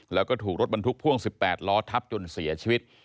แล้วก็ถูกรถบรรทุกพ่วง๑๘ล้อทับจนเสียชีวิต